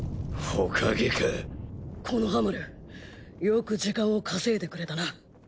木ノ葉丸よく時間を稼いでくれたな。